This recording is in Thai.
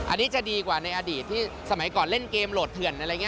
อันนี้จะดีกว่าในอดีตที่สมัยก่อนเล่นเกมโหลดเหทื่อน